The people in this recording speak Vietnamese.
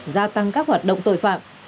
gia tăng các hoạt động tội phạm